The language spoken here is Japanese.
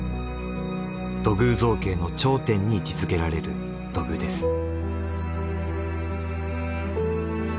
土偶造形の頂点に位置づけられる土偶です。